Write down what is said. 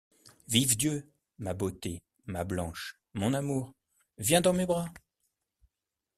Vive Dieu! ma beauté, ma Blanche, mon amour, Viens dans mes bras !